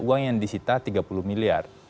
uang yang disita tiga puluh miliar